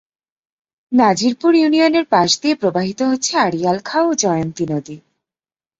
নাজিরপুর ইউনিয়নের পাশ দিয়ে প্রবাহিত হচ্ছে আড়িয়াল খাঁ ও জয়ন্তী নদী।